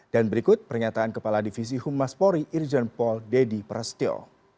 dan berikut pernyataan kepala divisi humas polri irjen paul dedy prestil